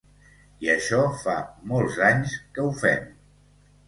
I això fa molts anys que ho fem.